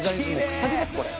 くさびですこれ。